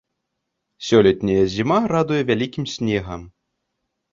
Сёлетняя зіма радуе вялікім снегам.